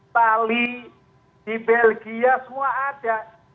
bali di belgia semua ada